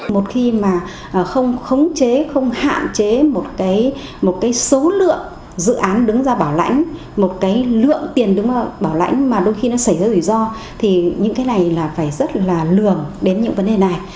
một khi mà không khống chế không hạn chế một cái số lượng dự án đứng ra bảo lãnh một cái lượng tiền đúng bảo lãnh mà đôi khi nó xảy ra rủi ro thì những cái này là phải rất là lường đến những vấn đề này